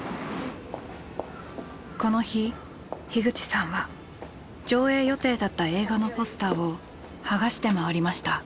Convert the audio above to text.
この日口さんは上映予定だった映画のポスターを剥がして回りました。